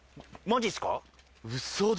マジっすか？